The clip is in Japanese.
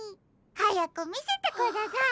はやくみせてください。ほっ。